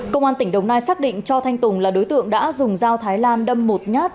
công an tỉnh đồng nai xác định cho thanh tùng là đối tượng đã dùng dao thái lan đâm một nhát